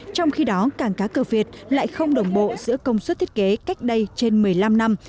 trong khi đó cảng cá cơ việt lại không đồng bộ giữa công suất thiết kế cách đây trên một mươi năm năm